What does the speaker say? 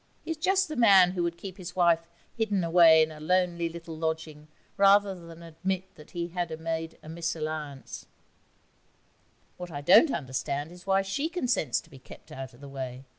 He is just the man who would keep his wife hidden away in a lonely little lodging rather than admit that he had made a mésalliance. What I don't understand is why she consents to be kept out of the way.